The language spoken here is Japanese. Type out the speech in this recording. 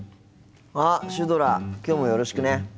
あっシュドラきょうもよろしくね。